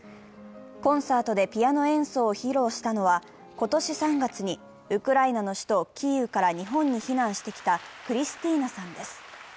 コンサートでピアノ演奏を披露したのは、今年３月にウクライナの首都キーウから日本に避難してきたクリスティーナさんです。